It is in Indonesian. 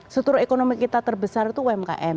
struktur ekonomi kita terbesar itu umkm